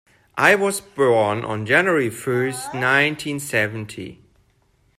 I was born on January first, nineteen seventy.